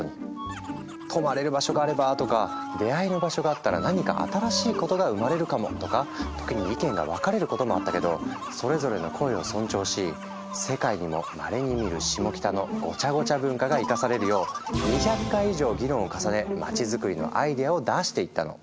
「泊まれる場所があれば」とか「出会いの場所があったら何か新しいことが生まれるかも」とか時に意見が分かれることもあったけどそれぞれの声を尊重し世界にもまれに見るシモキタのごちゃごちゃ文化が生かされるよう２００回以上議論を重ね街づくりのアイデアを出していったの。